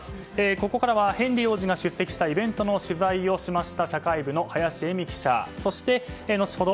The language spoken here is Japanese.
ここからはヘンリー王子が出席したイベントの取材をしました社会部の林英美記者そして後ほど